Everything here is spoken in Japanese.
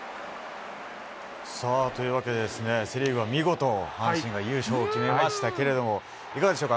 さあ、というわけでですね、セ・リーグは見事、阪神が優勝を決めましたけれども、いかがでしょうか？